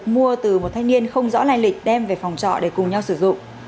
mua từ một thanh niên không rõ lai lịch đem về phòng trọ để cùng nhau sử dụng